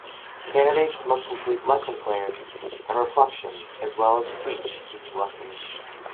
Candidates must complete lesson plans and reflections, as well as teach each lesson.